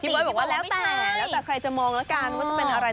เบิร์ตบอกว่าแล้วแต่แล้วแต่ใครจะมองแล้วกันว่าจะเป็นอะไร